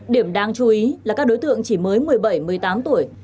điểm đáng chú ý là các đối tượng chỉ mới một mươi bảy một mươi tám tuổi